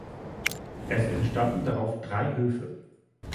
Es entstanden darauf drei Höfe.